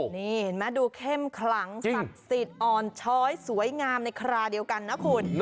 นี่เห็นไหมดูเข้มขลังศักดิ์สิทธิ์อ่อนช้อยสวยงามในคราเดียวกันนะคุณ